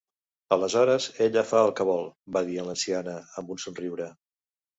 "Aleshores, ella fa el que vol", va dir l'anciana, amb un somriure.